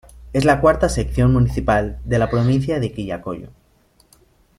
Es la cuarta sección municipal de la provincia de Quillacollo.